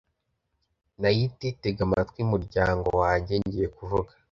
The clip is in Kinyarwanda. Na yo iti Tega amatwi muryango wanjye ngiye kuvuga